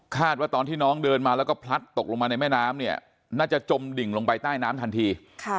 ว่าตอนที่น้องเดินมาแล้วก็พลัดตกลงมาในแม่น้ำเนี่ยน่าจะจมดิ่งลงไปใต้น้ำทันที